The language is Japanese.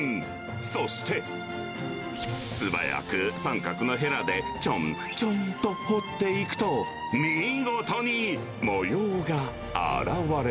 そして、素早く三角のへらで、ちょんちょんと彫っていくと、きれい。